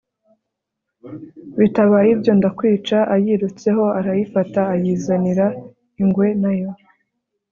bitabaye ibyo ndakwica, ayirutseho arayifata ayizanira ingwe, na yo